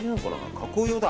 加工用だ。